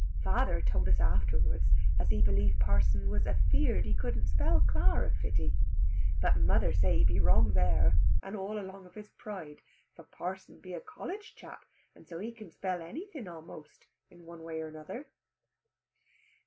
Father told us afterwards as he believed parson was feared he couldn't spell Clara fitty; but mother say he be wrong there, and all along of his pride, for parson be a college chap and so he can spell anything amost, in one way or another.